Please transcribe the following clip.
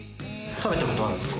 食べたことあるんですか？